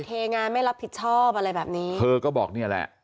เทงานไม่รับผิดชอบอะไรแบบนี้เธอก็บอกเนี่ยแหละ